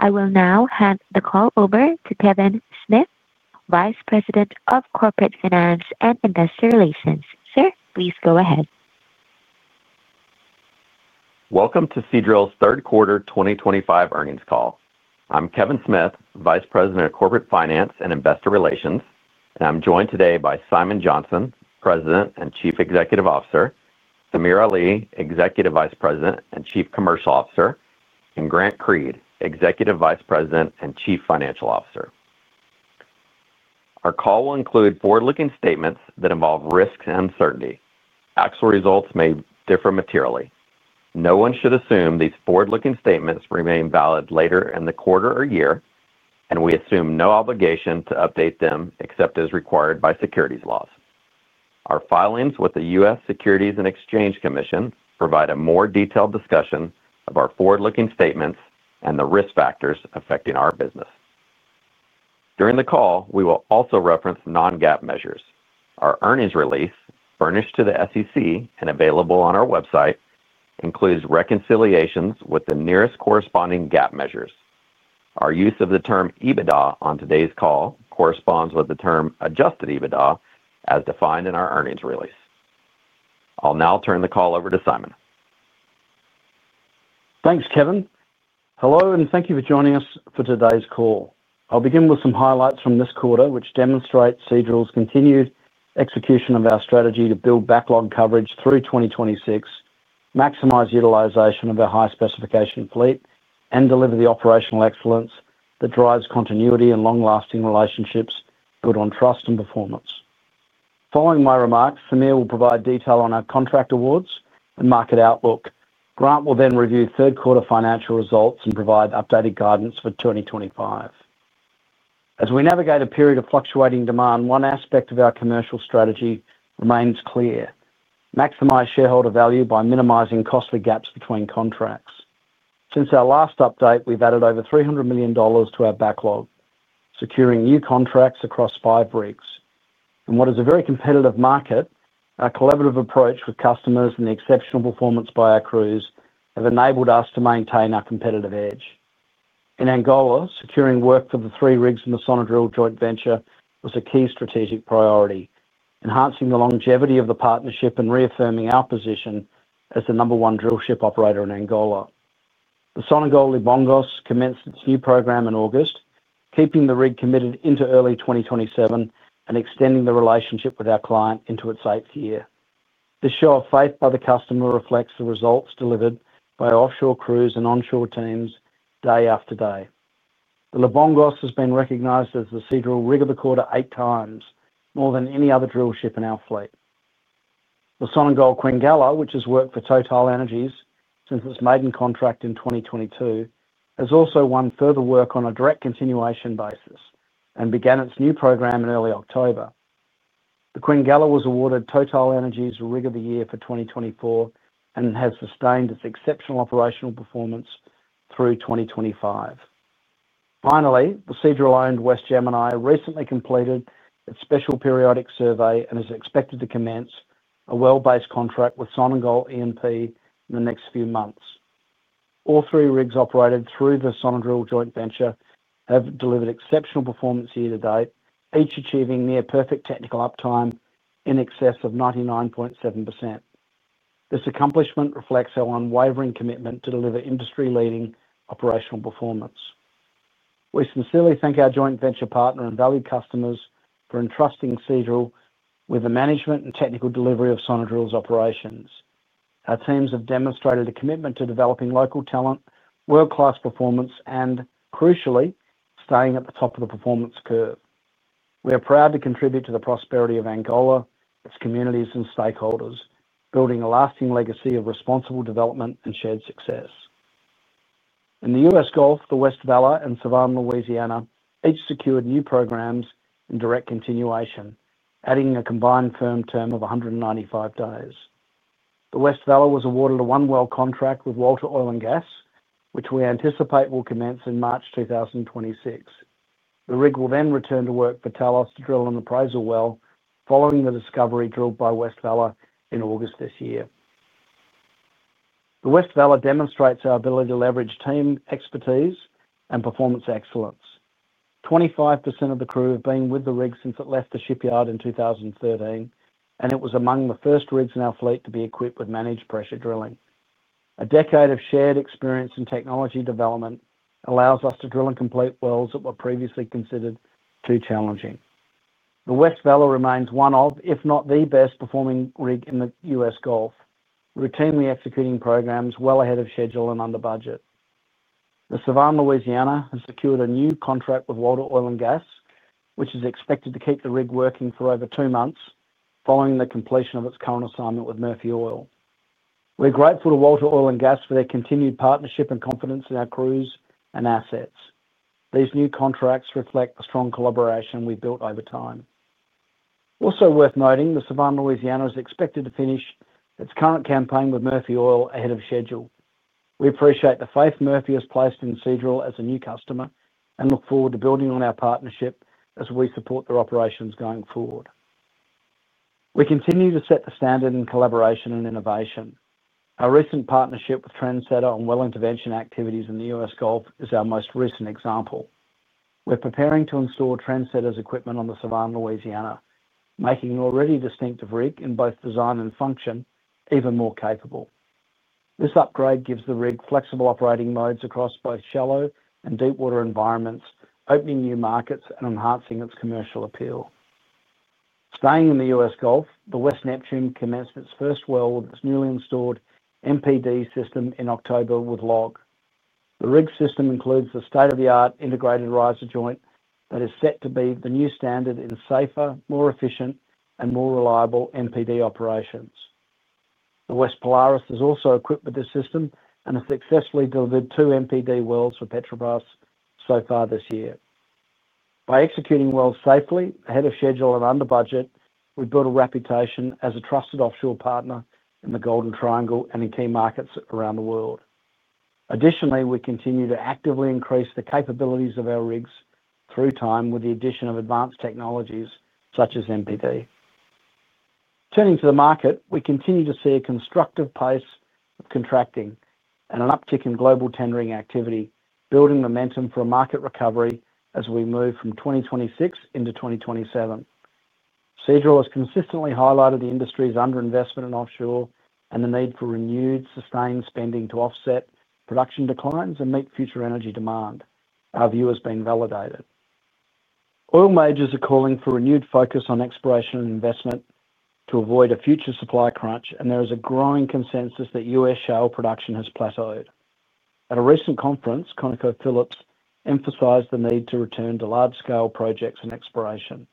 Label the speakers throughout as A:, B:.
A: I will now hand the call over to Kevin Smith, Vice President of Corporate Finance and Investor Relations. Sir, please go ahead.
B: Welcome to Seadrill's third quarter 2025 earnings call. I'm Kevin Smith, Vice President of Corporate Finance and Investor Relations, and I'm joined today by Simon Johnson, President and Chief Executive Officer; Samir Ali, Executive Vice President and Chief Commercial Officer; and Grant Creed, Executive Vice President and Chief Financial Officer. Our call will include forward-looking statements that involve risks and uncertainty. Actual results may differ materially. No one should assume these forward-looking statements remain valid later in the quarter or year, and we assume no obligation to update them except as required by securities laws. Our filings with the U.S. Securities and Exchange Commission provide a more detailed discussion of our forward-looking statements and the risk factors affecting our business. During the call, we will also reference non-GAAP measures. Our earnings release, furnished to the SEC and available on our website, includes reconciliations with the nearest corresponding GAAP measures. Our use of the term EBITDA on today's call corresponds with the term adjusted EBITDA, as defined in our earnings release. I'll now turn the call over to Simon.
C: Thanks, Kevin. Hello, and thank you for joining us for today's call. I'll begin with some highlights from this quarter, which demonstrate Seadrill's continued execution of our strategy to build backlog coverage through 2026, maximize utilization of our high-specification fleet, and deliver the operational excellence that drives continuity and long-lasting relationships, built on trust and performance. Following my remarks, Samir will provide detail on our contract awards and market outlook. Grant will then review third-quarter financial results and provide updated guidance for 2025. As we navigate a period of fluctuating demand, one aspect of our commercial strategy remains clear: maximize shareholder value by minimizing costly gaps between contracts. Since our last update, we've added over $300 million to our backlog, securing new contracts across five rigs. In what is a very competitive market, our collaborative approach with customers and the exceptional performance by our crews have enabled us to maintain our competitive edge. In Angola, securing work for the three rigs in the Sonadrill joint venture was a key strategic priority, enhancing the longevity of the partnership and reaffirming our position as the number one drillship operator in Angola. The Sonadrill Libongos commenced its new program in August, keeping the rig committed into early 2027 and extending the relationship with our client into its eighth year. This show of faith by the customer reflects the results delivered by offshore crews and onshore teams day after day. The Libongos has been recognized as the Seadrill Rig of the Quarter eight times, more than any other drillship in our fleet. The Sonadrill Quingala, which has worked for TotalEnergies since its maiden contract in 2022, has also won further work on a direct continuation basis and began its new program in early October. The Quingala was awarded TotalEnergies' Rig of the Year for 2024 and has sustained its exceptional operational performance through 2025. Finally, the Seadrill-owned West Gemini recently completed its special periodic survey and is expected to commence a well-based contract with Sonadrill E&P in the next few months. All three rigs operated through the Sonadrill joint venture have delivered exceptional performance year-to-date, each achieving near-perfect technical uptime in excess of 99.7%. This accomplishment reflects our unwavering commitment to deliver industry-leading operational performance. We sincerely thank our joint venture partner and valued customers for entrusting Seadrill with the management and technical delivery of Sonadrill's operations. Our teams have demonstrated a commitment to developing local talent, world-class performance, and, crucially, staying at the top of the performance curve. We are proud to contribute to the prosperity of Angola, its communities, and stakeholders, building a lasting legacy of responsible development and shared success. In the U.S. Gulf, the West Vela and Savannah, Louisiana, each secured new programs in direct continuation, adding a combined firm term of 195 days. The West Vela was awarded a one-well contract with Walter Oil & Gas, which we anticipate will commence in March 2026. The rig will then return to work for Talos to drill an appraisal well following the discovery drilled by West Vela in August this year. The West Vela demonstrates our ability to leverage team expertise and performance excellence. 25% of the crew have been with the rig since it left the shipyard in 2013, and it was among the first rigs in our fleet to be equipped with managed pressure drilling. A decade of shared experience in technology development allows us to drill and complete wells that were previously considered too challenging. The West Vela remains one of, if not the best-performing rigs in the U.S. Gulf, routinely executing programs well ahead of schedule and under budget. The West Vela has secured a new contract with Walter Oil & Gas, which is expected to keep the rig working for over two months following the completion of its current assignment with Murphy Oil. We're grateful to Walter Oil & Gas for their continued partnership and confidence in our crews and assets. These new contracts reflect the strong collaboration we've built over time. Also worth noting, the Savannah, Louisiana, is expected to finish its current campaign with Murphy Oil ahead of schedule. We appreciate the faith Murphy has placed in Seadrill as a new customer and look forward to building on our partnership as we support their operations going forward. We continue to set the standard in collaboration and innovation. Our recent partnership with Trendsetter on well intervention activities in the U.S. Gulf is our most recent example. We're preparing to install Trendsetter's equipment on the Savannah, Louisiana, making an already distinctive rig in both design and function even more capable. This upgrade gives the rig flexible operating modes across both shallow and deep-water environments, opening new markets and enhancing its commercial appeal. Staying in the U.S. Gulf, the West Neptune commenced its first well with its newly installed MPD system in October with Log. The REIT system includes the state-of-the-art integrated riser joint that is set to be the new standard in safer, more efficient, and more reliable MPD operations. The West Polaris is also equipped with this system and has successfully delivered two MPD wells for Petrobras so far this year. By executing wells safely, ahead of schedule and under budget, we've built a reputation as a trusted offshore partner in the Golden Triangle and in key markets around the world. Additionally, we continue to actively increase the capabilities of our REITs through time with the addition of advanced technologies such as MPD. Turning to the market, we continue to see a constructive pace of contracting and an uptick in global tendering activity, building momentum for a market recovery as we move from 2026 into 2027. Seadrill has consistently highlighted the industry's underinvestment in offshore and the need for renewed, sustained spending to offset production declines and meet future energy demand. Our view has been validated. Oil majors are calling for renewed focus on exploration and investment to avoid a future supply crunch, and there is a growing consensus that U.S. shale production has plateaued. At a recent conference, ConocoPhillips emphasized the need to return to large-scale projects and exploration.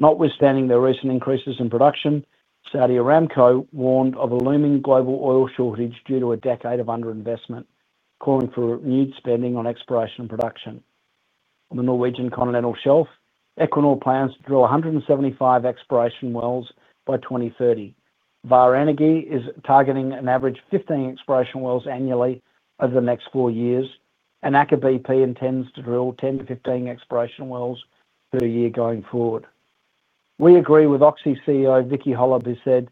C: Notwithstanding the recent increases in production, Saudi Aramco warned of a looming global oil shortage due to a decade of underinvestment, calling for renewed spending on exploration and production. On the Norwegian Continental Shelf, Equinor plans to drill 175 exploration wells by 2030. Vår Energiis targeting an average of 15 exploration wells annually over the next four years, and Aker BP intends to drill 10-15 exploration wells per year going forward. We agree with Oxy CEO Vicki Hollub who said,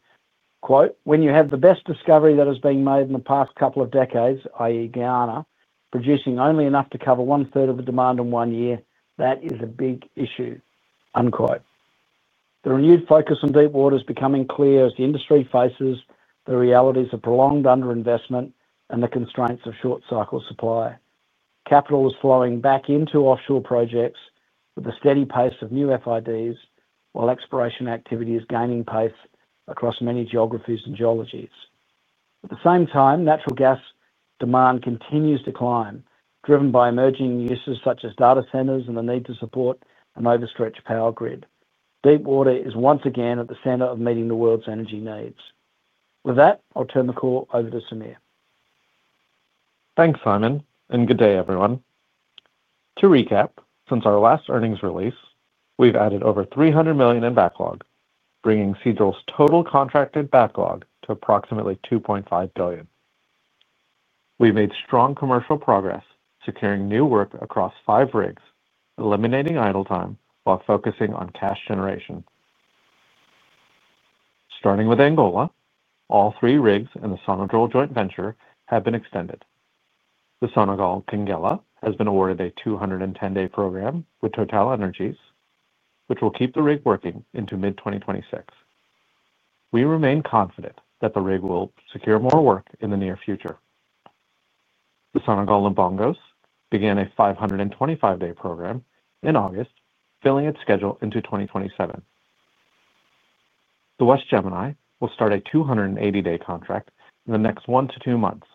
C: "When you have the best discovery that has been made in the past couple of decades, i.e., Ghana, producing only enough to cover one-third of the demand in one year, that is a big issue." The renewed focus on deep water is becoming clear as the industry faces the realities of prolonged underinvestment and the constraints of short-cycle supply. Capital is flowing back into offshore projects with the steady pace of new FIDs, while exploration activity is gaining pace across many geographies and geologies. At the same time, natural gas demand continues to climb, driven by emerging uses such as data centers and the need to support an overstretched power grid. Deep water is once again at the center of meeting the world's energy needs. With that, I'll turn the call over to Samir.
D: Thanks, Simon, and good day, everyone. To recap, since our last earnings release, we've added over $300 million in backlog, bringing Seadrill's total contracted backlog to approximately $2.5 billion. We've made strong commercial progress, securing new work across five rigs, eliminating idle time while focusing on cash generation. Starting with Angola, all three rigs in the Sonadrill joint venture have been extended. The Sonadrill Quingala has been awarded a 210-day program with TotalEnergies, which will keep the rig working into mid-2026. We remain confident that the rig will secure more work in the near future. The Sonadrill Libongos began a 525-day program in August, filling its schedule into 2027. The West Gemini will start a 280-day contract in the next one to two months,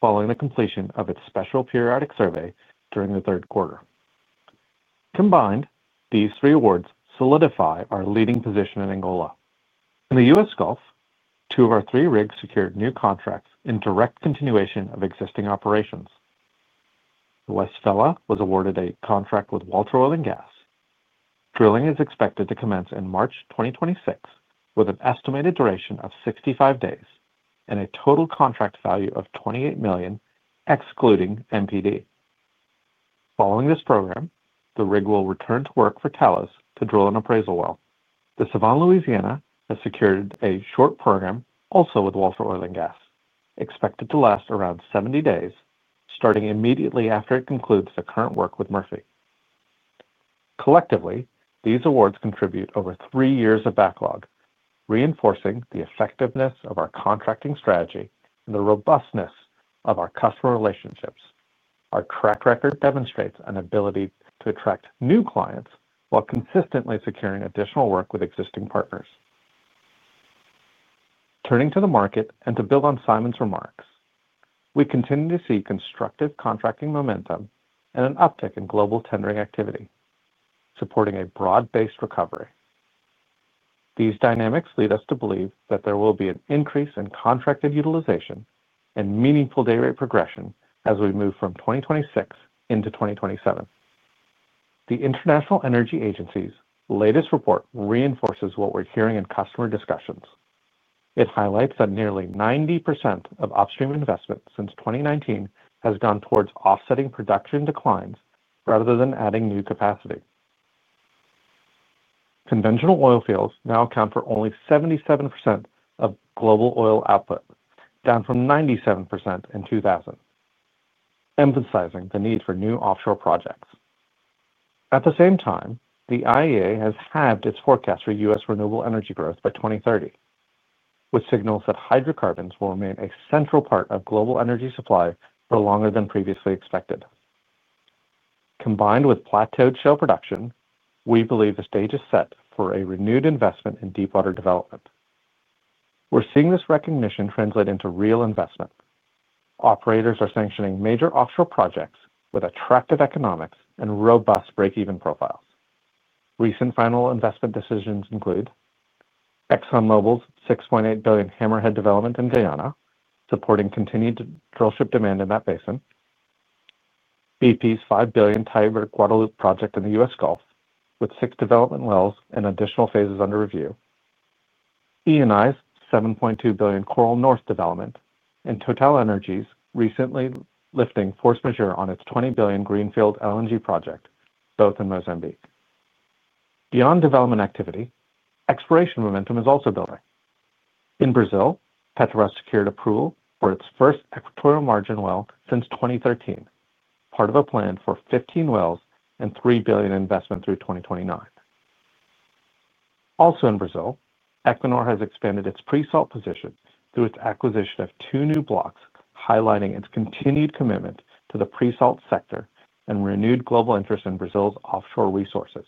D: following the completion of its special periodic survey during the third quarter. Combined, these three awards solidify our leading position in Angola. In the U.S. Gulf, two of our three rigs secured new contracts in direct continuation of existing operations. The West Vela was awarded a contract with Walter Oil & Gas. Drilling is expected to commence in March 2026, with an estimated duration of 65 days and a total contract value of $28 million, excluding MPD. Following this program, the rig will return to work for Talos to drill an appraisal well. The Savannah, Louisiana, has secured a short program also with Walter Oil & Gas, expected to last around 70 days, starting immediately after it concludes the current work with Murphy. Collectively, these awards contribute over three years of backlog, reinforcing the effectiveness of our contracting strategy and the robustness of our customer relationships. Our track record demonstrates an ability to attract new clients while consistently securing additional work with existing partners. Turning to the market and to build on Simon's remarks, we continue to see constructive contracting momentum and an uptick in global tendering activity, supporting a broad-based recovery. These dynamics lead us to believe that there will be an increase in contracted utilization and meaningful day-rate progression as we move from 2026 into 2027. The International Energy Agency's latest report reinforces what we're hearing in customer discussions. It highlights that nearly 90% of upstream investment since 2019 has gone towards offsetting production declines rather than adding new capacity. Conventional oil fields now account for only 77% of global oil output, down from 97% in 2000, emphasizing the need for new offshore projects. At the same time, the IEA has halved its forecast for U.S. renewable energy growth by 2030, which signals that hydrocarbons will remain a central part of global energy supply for longer than previously expected. Combined with plateaued shale production, we believe the stage is set for a renewed investment in deep-water development. We're seeing this recognition translate into real investment. Operators are sanctioning major offshore projects with attractive economics and robust break-even profiles. Recent final investment decisions include ExxonMobil's $6.8 billion Hammerhead development in Guyana, supporting continued drillship demand in that basin. BP's $5 billion Tiber Guadalupe project in the U.S. Gulf, with six development wells and additional phases under review. Eni's $7.2 billion Coral North development, and TotalEnergies recently lifting force majeure on its $20 billion Greenfield LNG project, both in Mozambique. Beyond development activity, exploration momentum is also building. In Brazil, Petrobras secured approval for its first equatorial margin well since 2013, part of a plan for 15 wells and $3 billion investment through 2029. Also in Brazil, Equinor has expanded its pre-salt position through its acquisition of two new blocks, highlighting its continued commitment to the pre-salt sector and renewed global interest in Brazil's offshore resources,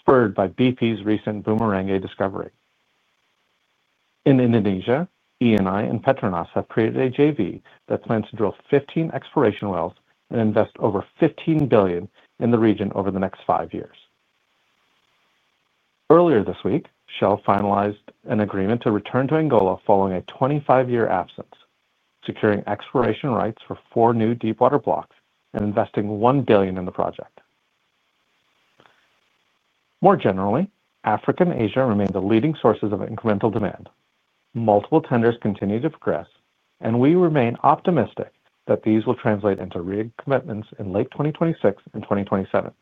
D: spurred by BP's recent Boomerangay discovery. In Indonesia, Eni and Petronas have created a JV that plans to drill 15 exploration wells and invest over $15 billion in the region over the next five years. Earlier this week, Shell finalized an agreement to return to Angola following a 25-year absence, securing exploration rights for four new deep-water blocks and investing $1 billion in the project. More generally, Africa and Asia remain the leading sources of incremental demand. Multiple tenders continue to progress, and we remain optimistic that these will translate into rig commitments in late 2026 and 2027.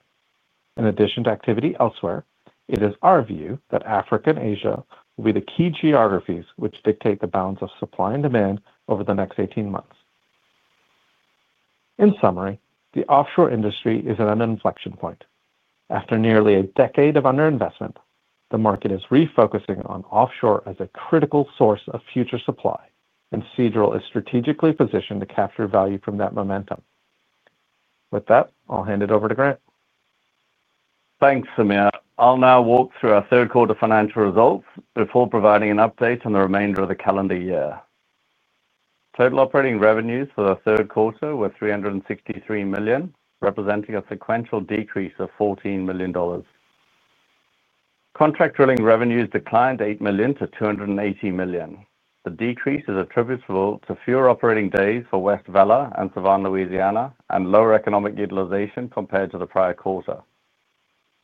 D: In addition to activity elsewhere, it is our view that Africa and Asia will be the key geographies which dictate the balance of supply and demand over the next 18 months. In summary, the offshore industry is at an inflection point. After nearly a decade of underinvestment, the market is refocusing on offshore as a critical source of future supply, and Seadrill is strategically positioned to capture value from that momentum. With that, I'll hand it over to Grant.
E: Thanks, Samir. I'll now walk through our third quarter financial results before providing an update on the remainder of the calendar year. Total operating revenues for the third quarter were $363 million, representing a sequential decrease of $14 million. Contract drilling revenues declined $8 million to $280 million. The decrease is attributable to fewer operating days for West Vela and Savannah, Louisiana, and lower economic utilization compared to the prior quarter.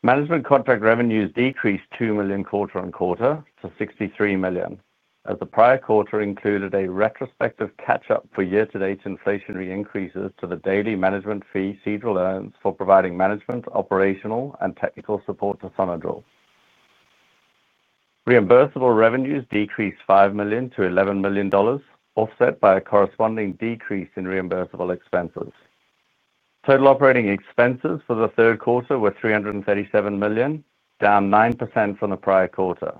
E: Management contract revenues decreased $2 million quarter-on-quarter to $63 million, as the prior quarter included a retrospective catch-up for year-to-date inflationary increases to the daily management fee Seadrill earns for providing management, operational, and technical support to Sonadrill. Reimbursable revenues decreased $5 million to $11 million, offset by a corresponding decrease in reimbursable expenses. Total operating expenses for the third quarter were $337 million, down 9% from the prior quarter.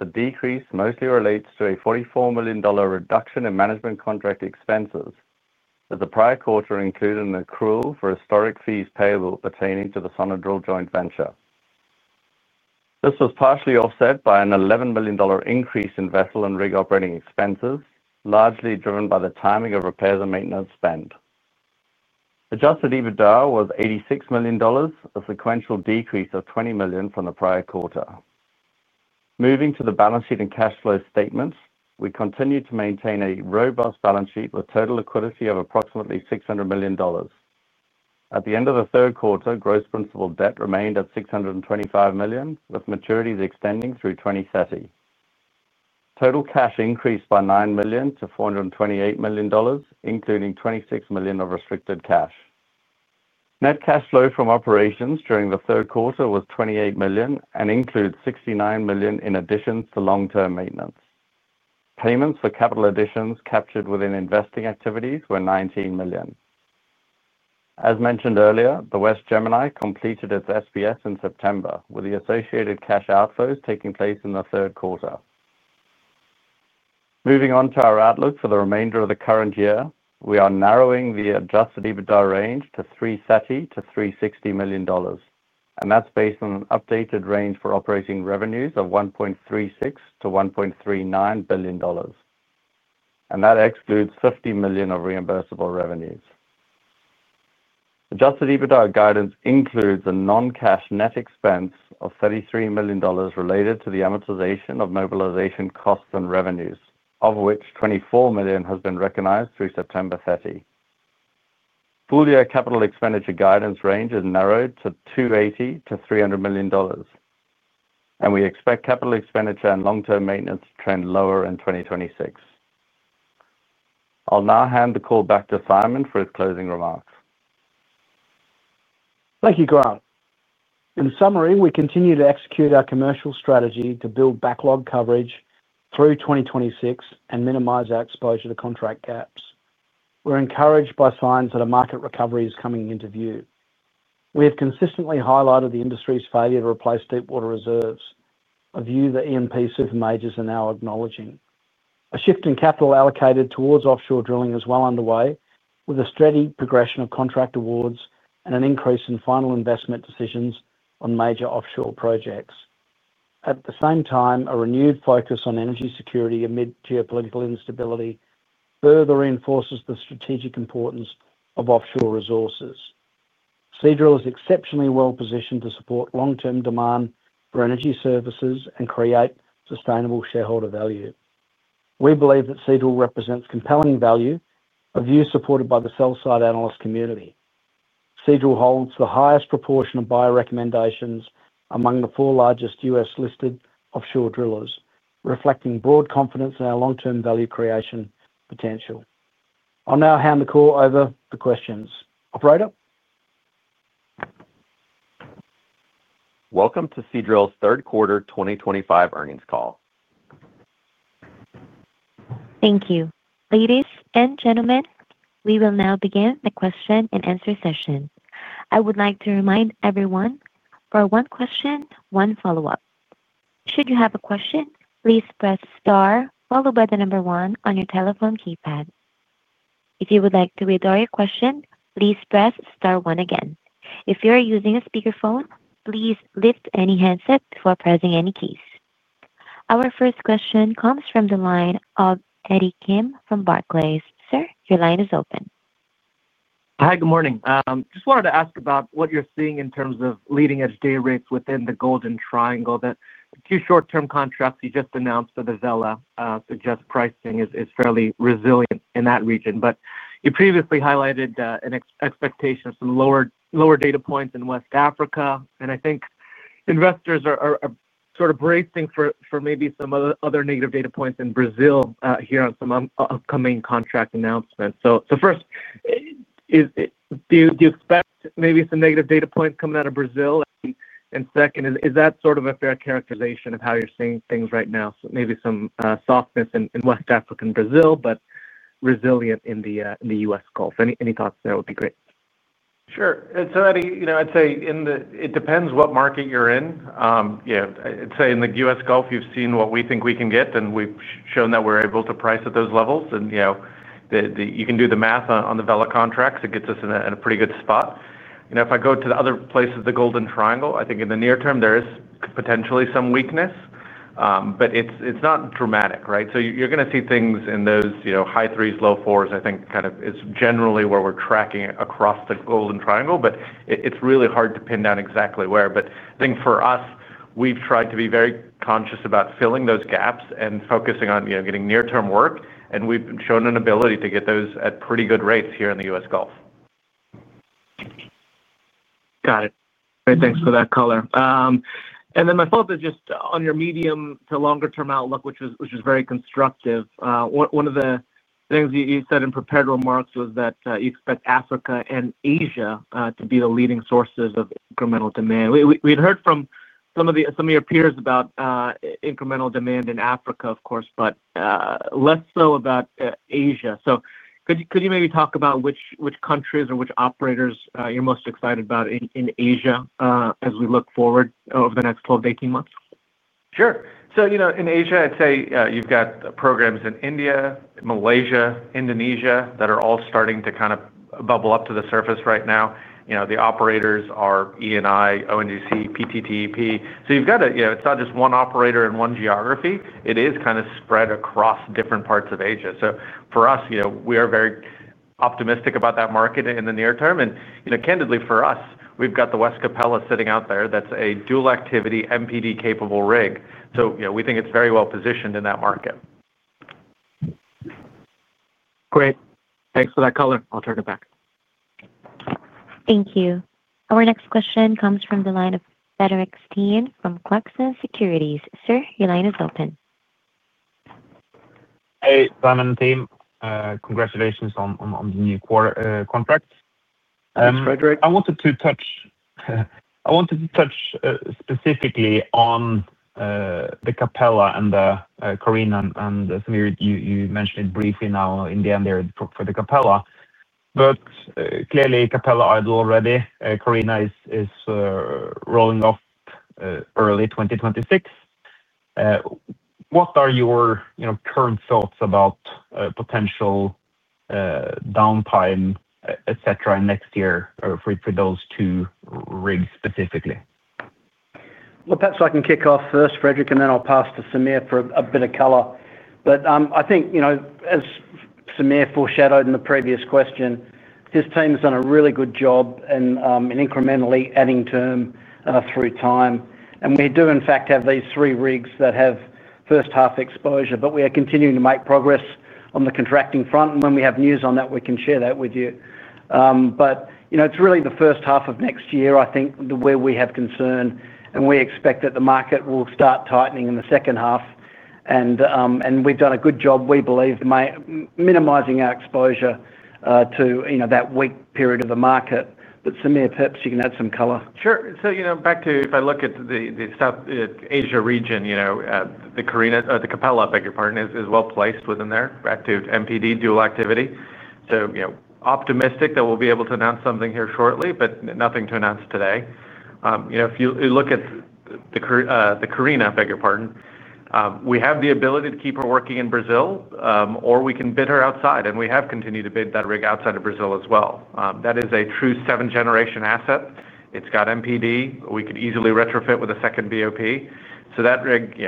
E: The decrease mostly relates to a $44 million reduction in management contract expenses, as the prior quarter included an accrual for historic fees payable pertaining to the Sonadrill joint venture. This was partially offset by an $11 million increase in vessel and rig operating expenses, largely driven by the timing of repairs and maintenance spend. Adjusted EBITDA was $86 million, a sequential decrease of $20 million from the prior quarter. Moving to the balance sheet and cash flow statements, we continue to maintain a robust balance sheet with total liquidity of approximately $600 million. At the end of the third quarter, gross principal debt remained at $625 million, with maturities extending through 2030. Total cash increased by $9 million to $428 million, including $26 million of restricted cash. Net cash flow from operations during the third quarter was $28 million and included $69 million in additions to long-term maintenance. Payments for capital additions captured within investing activities were $19 million. As mentioned earlier, the West Gemini completed its SPS in September, with the associated cash outflows taking place in the third quarter. Moving on to our outlook for the remainder of the current year, we are narrowing the adjusted EBITDA range to $330 million-$360 million, and that's based on an updated range for operating revenues of $1.36 billion-$1.39 billion. That excludes $50 million of reimbursable revenues. Adjusted EBITDA guidance includes a non-cash net expense of $33 million related to the amortization of mobilization costs and revenues, of which $24 million has been recognized through September 30. Full-year capital expenditure guidance range is narrowed to $280 million-$300 million. We expect capital expenditure and long-term maintenance to trend lower in 2026. I'll now hand the call back to Simon for his closing remarks.
C: Thank you, Grant. In summary, we continue to execute our commercial strategy to build backlog coverage through 2026 and minimize our exposure to contract gaps. We're encouraged by signs that a market recovery is coming into view. We have consistently highlighted the industry's failure to replace deep-water reserves, a view that E&P super majors are now acknowledging. A shift in capital allocated towards offshore drilling is well underway, with a steady progression of contract awards and an increase in final investment decisions on major offshore projects. At the same time, a renewed focus on energy security amid geopolitical instability further reinforces the strategic importance of offshore resources. Seadrill is exceptionally well positioned to support long-term demand for energy services and create sustainable shareholder value. We believe that Seadrill represents compelling value, a view supported by the sell-side analyst community. Seadrill holds the highest proportion of buyer recommendations among the four largest U.S.-listed offshore drillers, reflecting broad confidence in our long-term value creation potential. I'll now hand the call over for questions. Operator.
F: Welcome to Seadrill's third quarter 2025 earnings call.
A: Thank you. Ladies and gentlemen, we will now begin the question-and-answer session. I would like to remind everyone for one question, one follow-up. Should you have a question, please press star followed by the number one on your telephone keypad. If you would like to withdraw your question, please press star one again. If you are using a speakerphone, please lift any headset before pressing any keys. Our first question comes from the line of Eddie Kim from Barclays. Sir, your line is open.
G: Hi, good morning. Just wanted to ask about what you're seeing in terms of leading-edge day rates within the Golden Triangle, that the two short-term contracts you just announced for the Vela suggest pricing is fairly resilient in that region. You previously highlighted an expectation of some lower data points in West Africa, and I think investors are sort of bracing for maybe some other negative data points in Brazil here on some upcoming contract announcements. First, do you expect maybe some negative data points coming out of Brazil? Second, is that sort of a fair characterization of how you're seeing things right now? Maybe some softness in West Africa and Brazil, but resilient in the U.S. Gulf. Any thoughts there would be great.
D: Sure. Eddie, I'd say it depends what market you're in. I'd say in the U.S. Gulf, you've seen what we think we can get, and we've shown that we're able to price at those levels. You can do the math on the Vela contracts, it gets us in a pretty good spot. If I go to the other places, the Golden Triangle, I think in the near term, there is potentially some weakness. It's not dramatic, right? You're going to see things in those high threes, low fours, I think kind of is generally where we're tracking across the Golden Triangle, but it's really hard to pin down exactly where. I think for us, we've tried to be very conscious about filling those gaps and focusing on getting near-term work, and we've shown an ability to get those at pretty good rates here in the U.S. Gulf.
G: Got it. Great. Thanks for that, Colin. My follow-up is just on your medium to longer-term outlook, which was very constructive. One of the things you said in prepared remarks was that you expect Africa and Asia to be the leading sources of incremental demand. We had heard from some of your peers about incremental demand in Africa, of course, but less so about Asia. Could you maybe talk about which countries or which operators you're most excited about in Asia as we look forward over the next 12-18 months?
D: Sure. In Asia, I'd say you've got programs in India, Malaysia, Indonesia that are all starting to kind of bubble up to the surface right now. The operators are [E&I, ODC PPDP] You've got a it's not just one operator in one geography. It is kind of spread across different parts of Asia. For us, we are very optimistic about that market in the near-term. Candidly, for us, we've got the West Capella sitting out there that's a dual-activity MPD-capable rig. We think it's very well positioned in that market.
G: Great. Thanks for that color. I'll turn it back.
A: Thank you. Our next question comes from the line of Fredrik Stene from Clarksons Securities. Sir, your line is open.
H: Hey, Simon and team. Congratulations on the new quarter contract.
C: Thanks, Frederik.
H: I wanted to touch specifically on the Capella and the Carina, and Samir, you mentioned it briefly now in the end there for the Capella. Clearly, Capella idle already. Carina is rolling off early 2026. What are your current thoughts about potential downtime, etc., next year for those two rigs specifically?
C: Perhaps I can kick off first, Frederick, and then I'll pass to Samir for a bit of color. I think, as Samir foreshadowed in the previous question, his team has done a really good job in incrementally adding term through time. We do, in fact, have these three rigs that have first-half exposure, but we are continuing to make progress on the contracting front. When we have news on that, we can share that with you. It's really the first half of next year, I think, where we have concern, and we expect that the market will start tightening in the second half. We've done a good job, we believe, minimizing our exposure to that weak period of the market. Samir, perhaps you can add some color.
D: Sure. Back to if I look at the South Asia region. The Capella, beg your pardon, is well placed with their active MPD dual activity. Optimistic that we'll be able to announce something here shortly, but nothing to announce today. If you look at the Carina, beg your pardon, we have the ability to keep her working in Brazil, or we can bid her outside. We have continued to bid that rig outside of Brazil as well. That is a true seventh-generation asset. It's got MPD. We could easily retrofit with a second BOP. That rig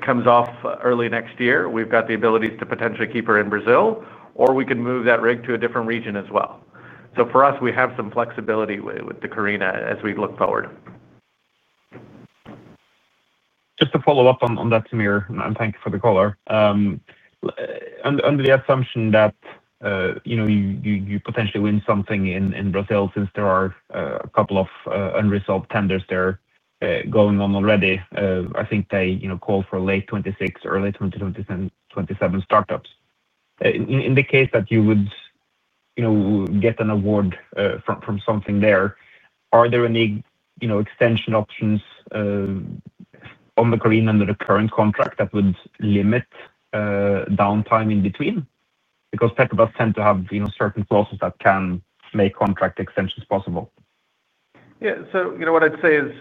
D: comes off early next year. We've got the abilities to potentially keep her in Brazil, or we can move that rig to a different region as well. For us, we have some flexibility with the Carina as we look forward.
H: Just to follow up on that, Samir, and thank you for the caller. Under the assumption that you potentially win something in Brazil since there are a couple of unresolved tenders there going on already, I think they call for late 2026, early 2027 start-ups. In the case that you would get an award from something there, are there any extension options on the Carina under the current contract that would limit downtime in between? Because Petrobras tend to have certain clauses that can make contract extensions possible.
D: Yeah. So what I'd say is,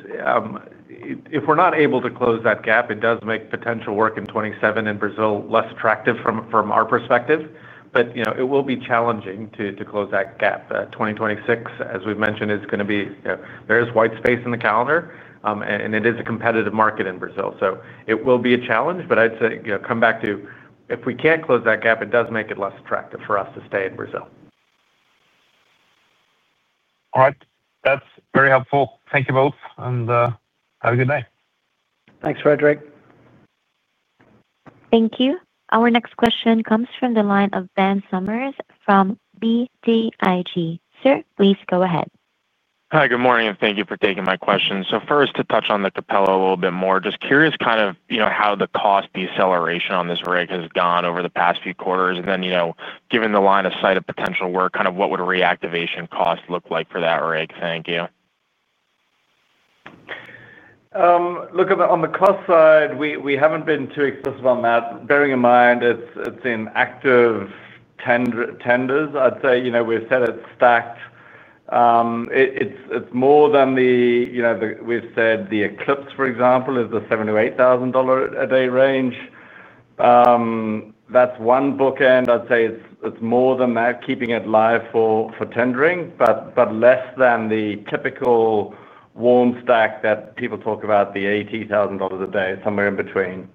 D: if we're not able to close that gap, it does make potential work in 2027 in Brazil less attractive from our perspective. It will be challenging to close that gap. 2026, as we've mentioned, is going to be, there is white space in the calendar, and it is a competitive market in Brazil. It will be a challenge, but I'd say come back to, if we can't close that gap, it does make it less attractive for us to stay in Brazil.
H: All right. That's very helpful. Thank you both, and have a good day.
G: Thanks, Frederick.
A: Thank you. Our next question comes from the line of Ben Sommers from BTIG. Sir, please go ahead.
I: Hi, good morning, and thank you for taking my question. First, to touch on the Capella a little bit more, just curious kind of how the cost deceleration on this rig has gone over the past few quarters. Then, given the line of sight of potential work, kind of what would reactivation cost look like for that rig? Thank you.
D: Look, on the cost side, we haven't been too explicit on that. Bearing in mind it's in active tenders, I'd say we've said it's stacked. It's more than the, we've said the Eclipse, for example, is the $78,000 a day range. That's one bookend. I'd say it's more than that, keeping it live for tendering, but less than the typical warm stack that people talk about, the $80,000 a day, somewhere in between.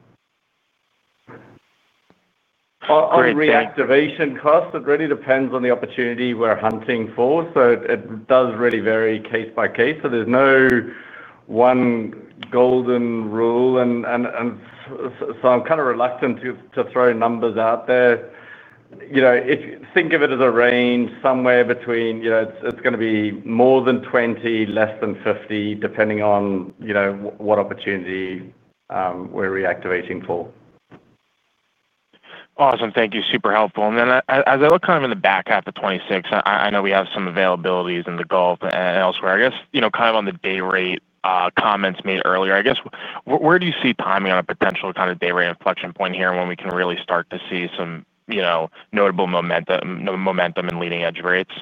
D: On reactivation cost, it really depends on the opportunity we're hunting for. It does really vary case by case. There's no one golden rule. I'm kind of reluctant to throw numbers out there. Think of it as a range somewhere between, it's going to be more than $20 million, less than $50 million, depending on what opportunity we're reactivating for.
I: Awesome. Thank you. Super helpful. And then as I look kind of in the back half of 2026, I know we have some availabilities in the Gulf and elsewhere. I guess kind of on the day rate comments made earlier, I guess, where do you see timing on a potential kind of day rate inflection point here when we can really start to see some notable momentum in leading-edge rates?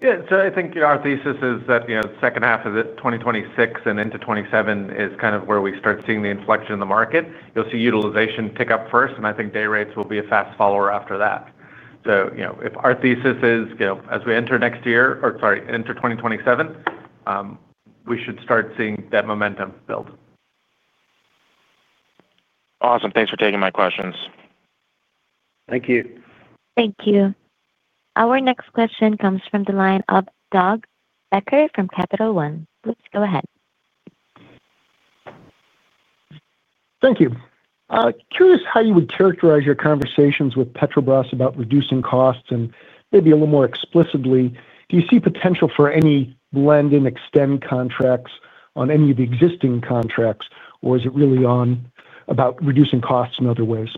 D: Yeah. So I think our thesis is that the second half of 2026 and into 2027 is kind of where we start seeing the inflection in the market. You'll see utilization pick up first, and I think day rates will be a fast follower after that. If our thesis is, as we enter next year or sorry, into 2027, we should start seeing that momentum build.
I: Awesome. Thanks for taking my questions.
D: Thank you.
A: Thank you. Our next question comes from the line of Doug Becker from Capital One. Please go ahead.
J: Thank you. Curious how you would characterize your conversations with Petrobras about reducing costs, and maybe a little more explicitly, do you see potential for any blend and extend contracts on any of the existing contracts, or is it really about reducing costs in other ways?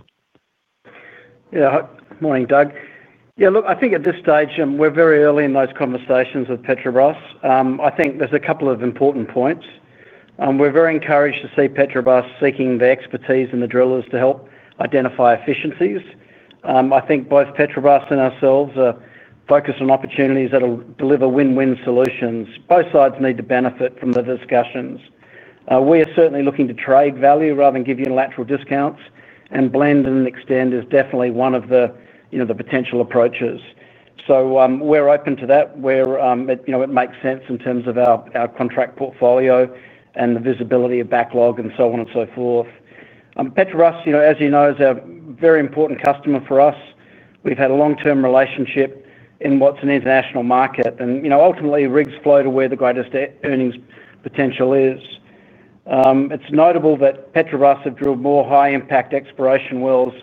C: Yeah. Good morning, Doug. Yeah, look, I think at this stage, we're very early in those conversations with Petrobras. I think there's a couple of important points. We're very encouraged to see Petrobras seeking the expertise and the drillers to help identify efficiencies. I think both Petrobras and ourselves are focused on opportunities that will deliver win-win solutions. Both sides need to benefit from the discussions. We are certainly looking to trade value rather than give you lateral discounts, and blend and extend is definitely one of the potential approaches. We're open to that where it makes sense in terms of our contract portfolio and the visibility of backlog and so on and so forth. Petrobras, as you know, is a very important customer for us. We've had a long-term relationship in what's an international market. Ultimately, rigs flow to where the greatest earnings potential is. It's notable that Petrobras have drilled more high-impact exploration wells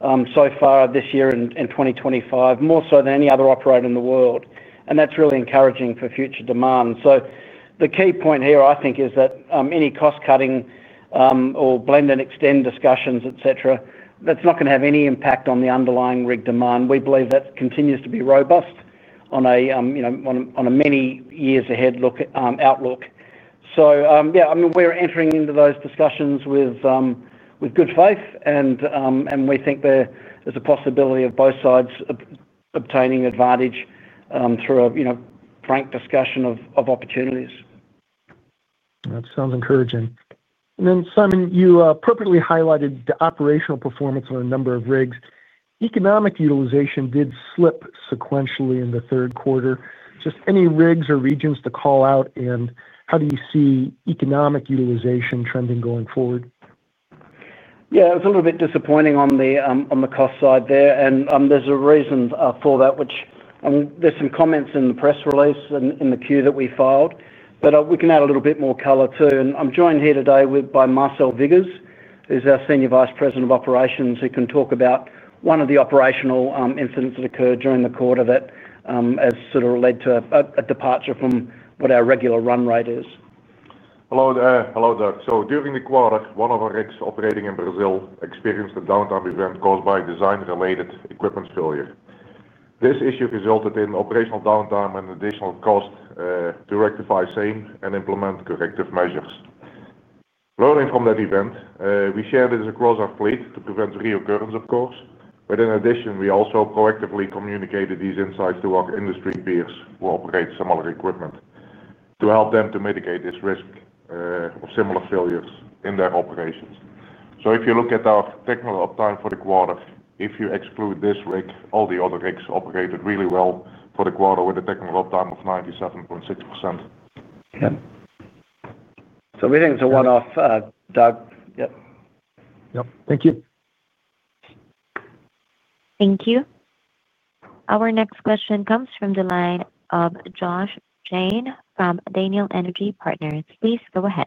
C: so far this year and 2025, more so than any other operator in the world and that's really encouraging for future demand. The key point here, I think, is that any cost-cutting or blend and extend discussions, etc., that's not going to have any impact on the underlying rig demand. We believe that continues to be robust on a many years ahead outlook. Yeah, I mean, we're entering into those discussions with good faith, and we think there's a possibility of both sides obtaining advantage through a frank discussion of opportunities.
J: That sounds encouraging. Simon, you perfectly highlighted the operational performance on a number of rigs. Economic utilization did slip sequentially in the third quarter. Just any rigs or regions to call out, and how do you see economic utilization trending going forward?
C: Yeah, it was a little bit disappointing on the cost side there. There's a reason for that, which there's some comments in the press release and in the queue that we filed. We can add a little bit more color too. I'm joined here today by Marcel Viggers, who's our Senior Vice President of Operations, who can talk about one of the operational incidents that occurred during the quarter that has sort of led to a departure from what our regular run rate is.
K: Hello, there. Hello, Doug. During the quarter, one of our rigs operating in Brazil experienced a downtime event caused by a design-related equipment failure. This issue resulted in operational downtime and additional cost to rectify same and implement corrective measures. Learning from that event, we shared it across our fleet to prevent reoccurrence, of course. In addition, we also proactively communicated these insights to our industry peers who operate similar equipment to help them to mitigate this risk of similar failures in their operations. If you look at our technical uptime for the quarter, if you exclude this rig, all the other rigs operated really well for the quarter with a technical uptime of 97.6%.
C: Yeah. We think it's a one-off, Doug. Yeah.
J: Yep. Thank you.
A: Thank you. Our next question comes from the line of Joshua Jayne from Daniel Energy Partners. Please go ahead.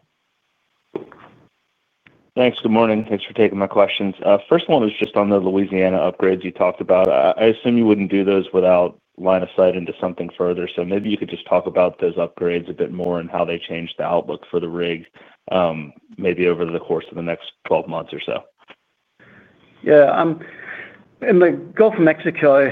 L: Thanks. Good morning. Thanks for taking my questions. First one is just on the Louisiana upgrades you talked about. I assume you wouldn't do those without line of sight into something further. Maybe you could just talk about those upgrades a bit more and how they changed the outlook for the rig maybe over the course of the next 12 months or so.
C: Yeah. In the Gulf of Mexico,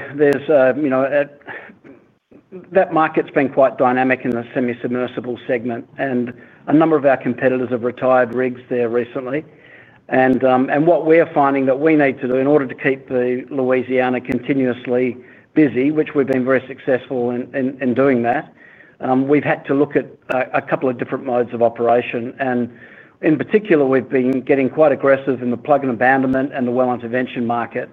C: that market's been quite dynamic in the semi-submersible segment. A number of our competitors have retired rigs there recently. What we're finding that we need to do in order to keep the Louisiana continuously busy, which we've been very successful in doing, is we've had to look at a couple of different modes of operation. In particular, we've been getting quite aggressive in the plug and abandonment and the well intervention market.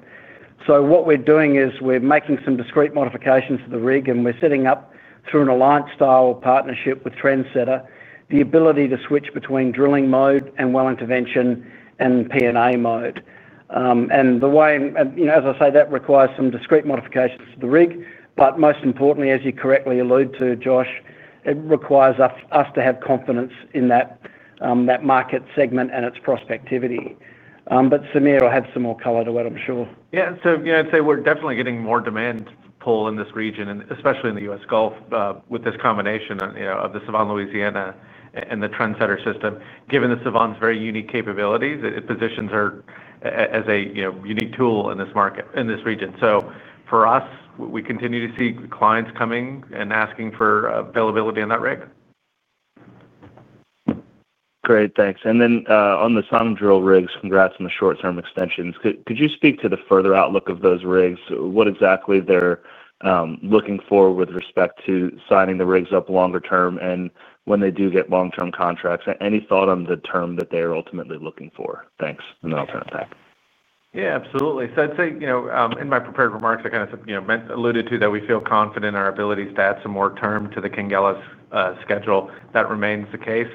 C: What we're doing is we're making some discrete modifications to the rig, and we're setting up, through an alliance-style partnership with Trendsetter, the ability to switch between drilling mode and well intervention and P&A mode. The way, as I say, that requires some discrete modifications to the rig. Most importantly, as you correctly allude to, Josh, it requires us to have confidence in that. Market segment and its prospectivity. Samir will have some more color to it, I'm sure.
D: Yeah. I'd say we're definitely getting more demand pull in this region, especially in the U.S. Gulf with this combination of the Savannah Louisiana and the Trendsetter system. Given the Savannah's very unique capabilities, it positions her as a unique tool in this market, in this region. For us, we continue to see clients coming and asking for availability on that rig.
L: Great. Thanks. And then on the Sonadrill rigs, congrats on the short-term extensions. Could you speak to the further outlook of those rigs? What exactly they're looking for with respect to signing the rigs up longer-term and when they do get long-term contracts? Any thought on the term that they're ultimately looking for? Thanks. And then I'll turn it back.
D: Yeah, absolutely. I'd say in my prepared remarks, I kind of alluded to that we feel confident in our ability to add some more term to the Quenguela's schedule. That remains the case.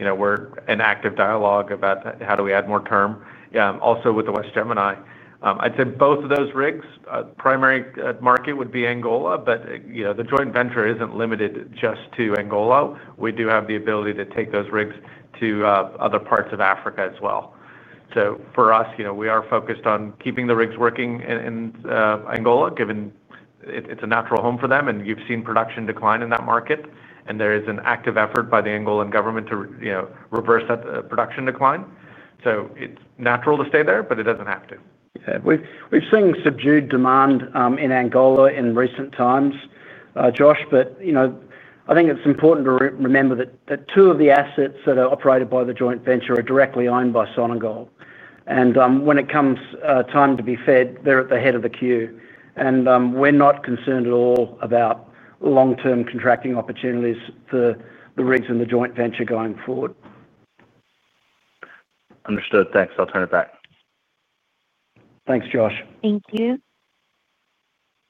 D: We're in active dialogue about how do we add more term. Also, with the West Gemini, I'd say both of those rigs, primary market would be Angola, but the joint venture isn't limited just to Angola. We do have the ability to take those rigs to other parts of Africa as well. For us, we are focused on keeping the rigs working in Angola, given it's a natural home for them, and you've seen production decline in that market, and there is an active effort by the Angolan government to reverse that production decline. It's natural to stay there, but it doesn't have to.
C: Yeah. We've seen subdued demand in Angola in recent times, Josh, but I think it's important to remember that two of the assets that are operated by the joint venture are directly owned by Sonangol. And when it comes time to be fed, they're at the head of the queue. We're not concerned at all about long-term contracting opportunities for the rigs and the joint venture going forward.
L: Understood. Thanks. I'll turn it back.
C: Thanks, Josh.
A: Thank you.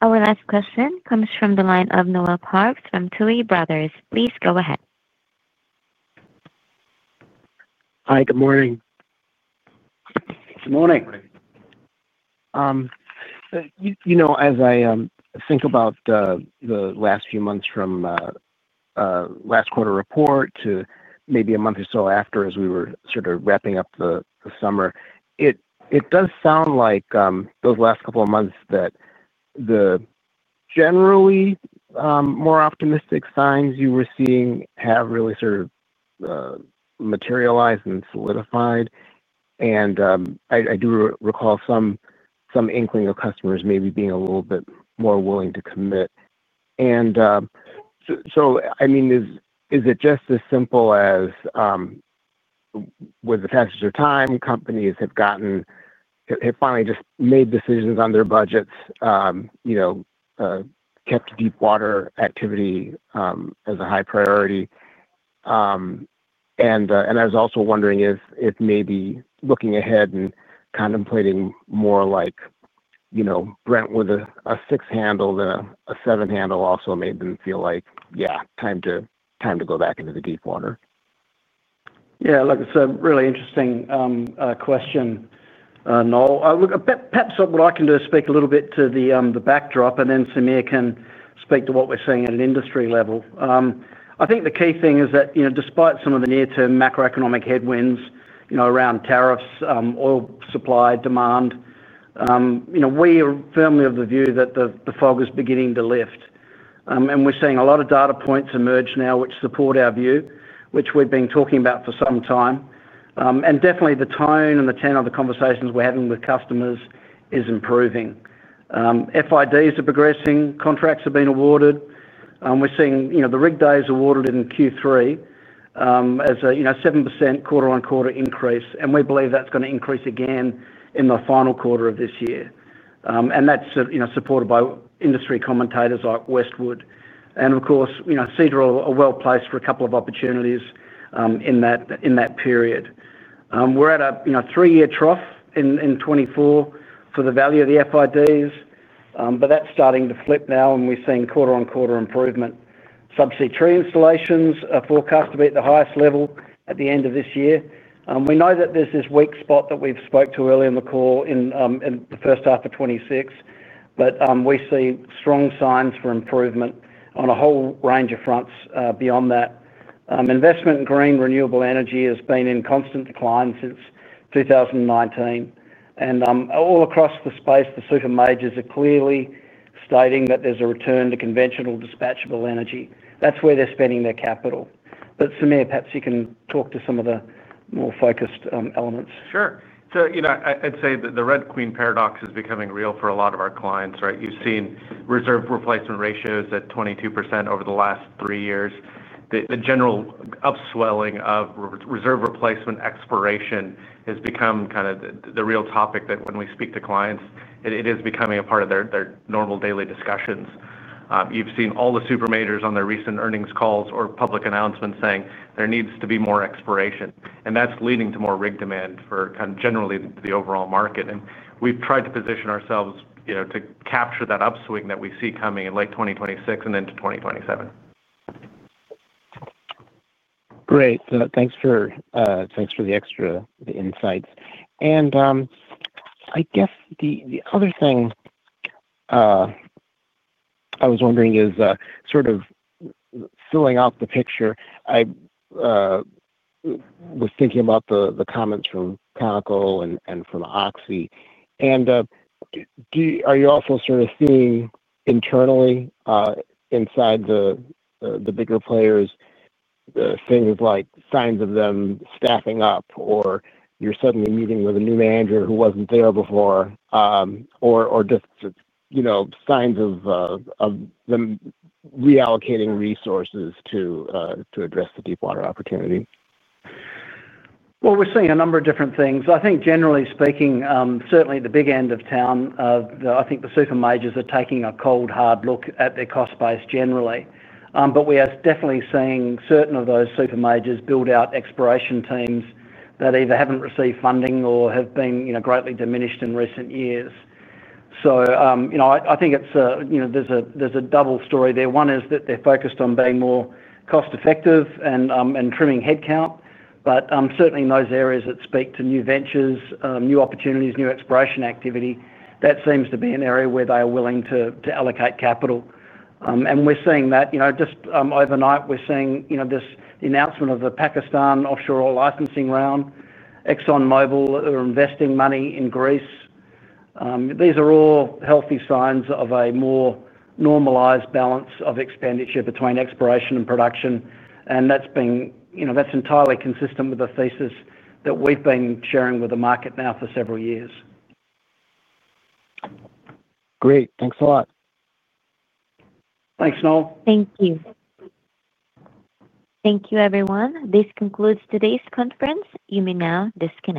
A: Our last question comes from the line of [Noah Parks] from Tully Brothers. Please go ahead.
M: Hi, good morning.
C: Good morning.
M: As I think about the last few months from last quarter report to maybe a month or so after as we were sort of wrapping up the summer, it does sound like those last couple of months that the generally more optimistic signs you were seeing have really sort of materialized and solidified. I do recall some inkling of customers maybe being a little bit more willing to commit. I mean, is it just as simple as with the passage of time, companies have finally just made decisions on their budgets, kept deep water activity as a high priority? I was also wondering if maybe looking ahead and contemplating more like Brent with a six-handle than a seven-handle also made them feel like, "Yeah, time to go back into the deep water."
C: Yeah. Like I said, really interesting question. Perhaps what I can do is speak a little bit to the backdrop, and then Samir can speak to what we're seeing at an industry level. I think the key thing is that despite some of the near-term macroeconomic headwinds around tariffs, oil supply demand, we are firmly of the view that the fog is beginning to lift. We're seeing a lot of data points emerge now which support our view, which we've been talking about for some time. Definitely, the tone and the tone of the conversations we're having with customers is improving. FIDs are progressing. Contracts have been awarded. We're seeing the rig days awarded in Q3 as a 7% quarter-on-quarter increase. We believe that's going to increase again in the final quarter of this year. That's supported by industry commentators like Westwood. Of course, Seadrill is well placed for a couple of opportunities in that period. We're at a three-year trough in 2024 for the value of the FIDs, but that's starting to flip now, and we're seeing quarter-on-quarter improvement. Subsea tree installations are forecast to be at the highest level at the end of this year. We know that there's this weak spot that we've spoke to earlier in the call in the first half of 2026, but we see strong signs for improvement on a whole range of fronts beyond that. Investment in green renewable energy has been in constant decline since 2019. All across the space, the super majors are clearly stating that there's a return to conventional dispatchable energy. That's where they're spending their capital. Samir, perhaps you can talk to some of the more focused elements.
D: Sure. I'd say that the red queen paradox is becoming real for a lot of our clients, right? You've seen reserve replacement ratios at 22% over the last three years. The general upswelling of reserve replacement exploration has become kind of the real topic that when we speak to clients, it is becoming a part of their normal daily discussions. You've seen all the super majors on their recent earnings calls or public announcements saying there needs to be more exploration. That's leading to more rig demand for kind of generally the overall market. We've tried to position ourselves to capture that upswing that we see coming in late 2026 and into 2027.
M: Great. Thanks for the extra insights. I guess the other thing I was wondering is sort of filling out the picture. I was thinking about the comments from Conoco and from Oxy. Are you also sort of seeing internally, inside the bigger players, things like signs of them staffing up, or you're suddenly meeting with a new manager who wasn't there before, or just signs of them reallocating resources to address the deep water opportunity?
C: We're seeing a number of different things. I think generally speaking, certainly the big end of town, I think the super majors are taking a cold, hard look at their cost base generally. We are definitely seeing certain of those super majors build out exploration teams that either haven't received funding or have been greatly diminished in recent years. I think there's a double story there. One is that they're focused on being more cost-effective and trimming headcount. Certainly in those areas that speak to new ventures, new opportunities, new exploration activity, that seems to be an area where they are willing to allocate capital. We're seeing that just overnight, we're seeing this announcement of the Pakistan offshore oil licensing round, ExxonMobil are investing money in Greece. These are all healthy signs of a more normalized balance of expenditure between exploration and production. That's entirely consistent with the thesis that we've been sharing with the market now for several years.
M: Great. Thanks a lot.
C: Thanks, Noah.
A: Thank you. Thank you, everyone. This concludes today's conference. You may now disconnect.